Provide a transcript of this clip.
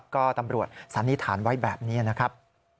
ก็ตำรวจสันนิษฐานไว้แบบนี้นะครับ